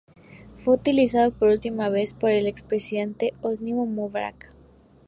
Fue utilizado por última vez por el expresidente Hosni Mubarak.